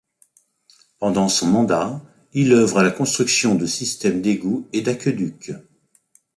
Pendant son mandat, il œuvre à la construction de systèmes d'égouts et d’aqueducs.